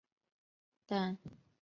但文征明幼时并不聪慧。